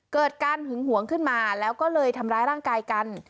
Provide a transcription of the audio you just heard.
เกิดการหึงหวงขึ้นมาแล้วก็เลยทำร้ายร่างกายกัน